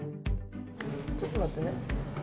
ちょっと待ってね。